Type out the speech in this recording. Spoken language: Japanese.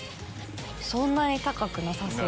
そんなに高くなさそう。